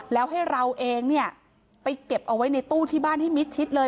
แล้วให้เราเองเนี่ยไปเก็บเอาไว้ในตู้ที่บ้านให้มิดชิดเลย